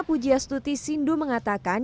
pujiastuti sindu mengatakan